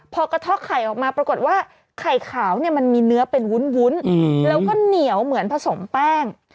พอกระท่อไข่ออกมาปรากฏว่าไข่ขาวเนี่ยมันมีเนื้อเป็นวุ้นแล้วก็เหนียวเหมือนผสมแป้ง